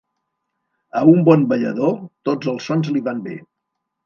A un bon ballador tots els sons li van bé.